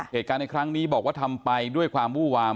เหตุการณ์ในครั้งนี้บอกว่าทำไปด้วยความวู้วาม